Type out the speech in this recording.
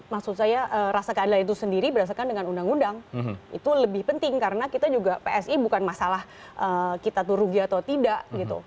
maksud saya rasa keadilan itu sendiri berdasarkan dengan undang undang itu lebih penting karena kita juga psi bukan masalah kita tuh rugi atau tidak gitu